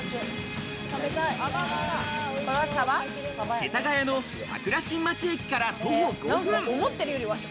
世田谷の桜新町駅から徒歩５分。